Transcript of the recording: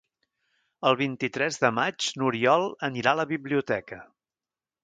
El vint-i-tres de maig n'Oriol anirà a la biblioteca.